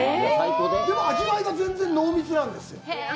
でも、味わいは全然濃密なんですよ。